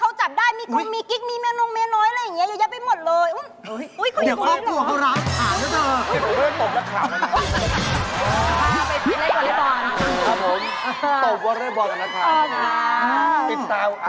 เอาจริงนะในส่วนตัวหนูไม่ค่อยดูเลยจริงนะ